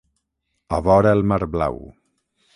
a vora el mar blau.